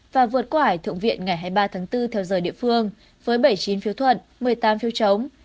và vượt qua thượng viện ngày hai mươi ba tháng bốn theo giờ địa phương với bảy mươi chín phiếu thuận một mươi tám phiếu chống